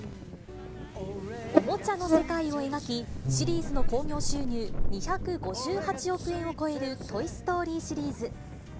おもちゃの世界を描き、シリーズの興行収入２５８億円を超えるトイ・ストーリーシリーズ。